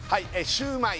シューマイ